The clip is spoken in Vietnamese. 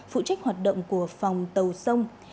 phụ trách hoạt động của phòng tàu sông